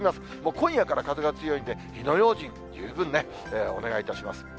今夜から風が強いんで、火の用心ね、十分にお願いいたします。